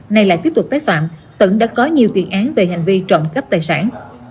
này lại tiếp tục tái phạm tửng đã có nhiều tuyên án về hành vi trộm cấp tài sản